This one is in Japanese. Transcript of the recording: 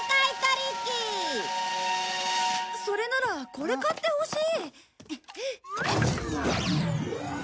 それならこれ買ってほしい。